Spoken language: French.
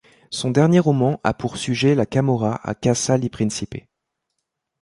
Son dernier roman a pour sujet la Camorra à Casal di Principe.